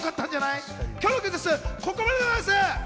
今日のクイズッス、ここまでです。